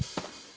terima kasih bang